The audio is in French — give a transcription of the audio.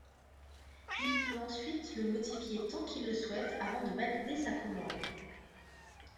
Il peut ensuite le modifier tant qu'il le souhaite avant de valider sa commande.